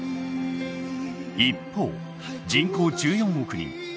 一方人口１４億人